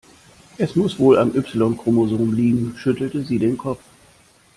Es muss wohl am Y-Chromosom liegen, schüttelte sie den Kopf.